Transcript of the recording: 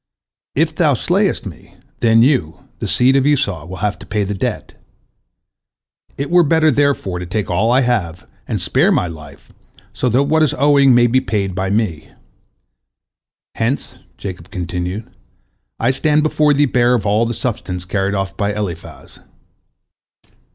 If thou slayest me, then you, the seed of Esau, will have to pay the debt. It were better, therefore, to take all I have, and spare my life, so that what is owing may be paid by me. Hence," Jacob continued, "I stand before thee bare of all the substance carried off by Eliphaz."